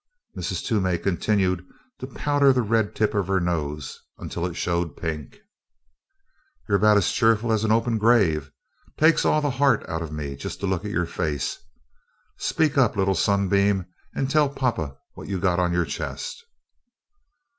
Mrs. Toomey continued to powder the red tip of her nose until it showed pink. "You're about as cheerful as an open grave takes all the heart out of me just to look at your face. Speak up, Little Sunbeam, and tell Papa what you got on your chest?"